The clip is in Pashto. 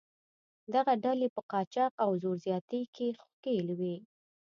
دغه ډلې په قاچاق او زور زیاتي کې ښکېل وې.